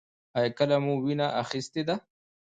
ایا کله مو وینه اخیستې ده؟